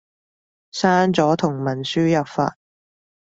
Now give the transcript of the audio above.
刪咗同文輸入法